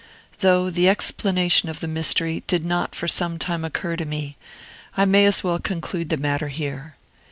Though the explanation of the mystery did not for some time occur to me, I may as well conclude the matter here.